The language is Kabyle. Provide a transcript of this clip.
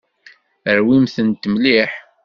Rwimt-tent mliḥ.